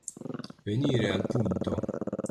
Venire al punto.